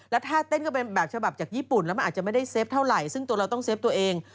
แล้วถ้าเต้นก็เป็นแบบฉบับจากญี่ปุ่นแล้วมันอาจจะไม่ได้เฟฟเท่าไหร่ซึ่งตัวเราต้องเฟฟตัวเอง